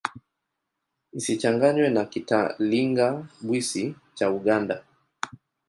Isichanganywe na Kitalinga-Bwisi cha Uganda.